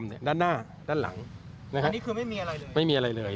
โอ้โห้เยอะเลยครับเหยอะเลย